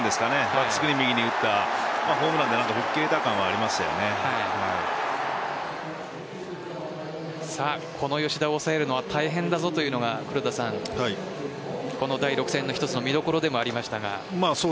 バックスクリーンに打ったホームランでこの吉田を抑えるのは大変だぞというのがこの第６戦の一つの見どころでもありましたが。